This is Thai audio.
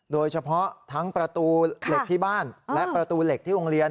โดยเฉพาะทั้งประตูเหล็กที่บ้านและประตูเหล็กที่โรงเรียน